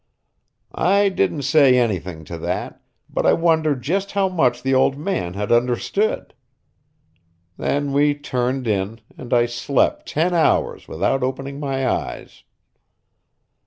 I didn't say anything to that, but I wondered just how much the old man had understood. Then we turned in, and I slept ten hours without opening my eyes.